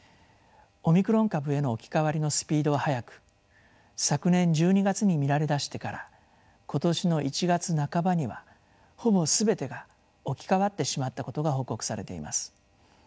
オミクロン株への置き換わりのスピードは速く昨年１２月に見られだしてから今年の１月半ばにはほぼ全てが置き換わってしまったことが報告されています。